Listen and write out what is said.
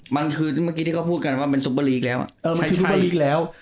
มันคือเมื่อกี้ที่เขาพูดกันว่าเป็นแล้วอ่ะเออมันคือแล้ว